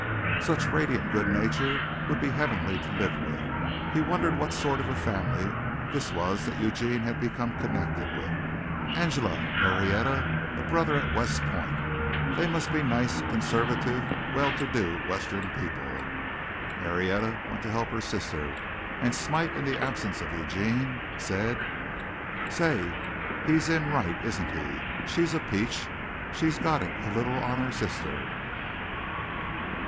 Such radiant good nature would be heavenly to live with. He wondered what sort of a family this was that Eugene had become connected with. Angela, Marietta, a brother at West Point. They must be nice, conservative, well to do western people. Marietta went to help her sister, and Smite, in the absence of Eugene, said: "Say, he's in right, isn't he? She's a peach. She's got it a little on her sister."